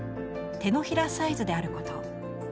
「手のひらサイズであること」。